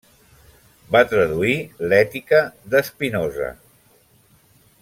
Va traduir l'Ètica de Spinoza.